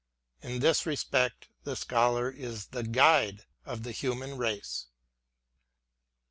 In this respect the Scholar is the Guide of the human race.